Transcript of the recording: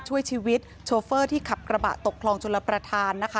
ช่วยชีวิตโชเฟอร์ที่ขับกระบะตกคลองชลประธานนะคะ